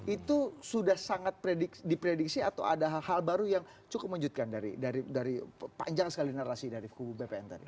itu sudah sangat diprediksi atau ada hal hal baru yang cukup mengejutkan dari panjang sekali narasi dari kubu bpn tadi